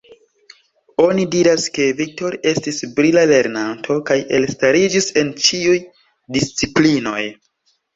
Oni diras ke, Viktor estis brila lernanto, kaj elstariĝis en ĉiuj disciplinoj.